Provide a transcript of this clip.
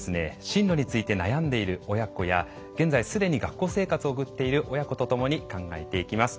進路について悩んでいる親子や現在既に学校生活を送っている親子とともに考えていきます。